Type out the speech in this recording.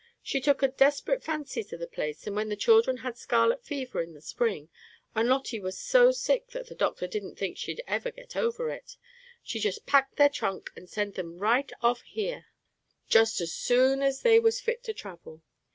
She took a desprit fancy to the place, and when the children had scarlet fever in the spring, and Lotty was so sick that the doctor didn't think she'd ever get over it, she just packed their trunk and sent them right off here just as soon as they was fit to travel.